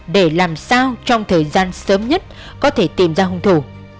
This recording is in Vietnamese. để làm sao trong thời gian sớm nhất có thể tìm ra hung thủ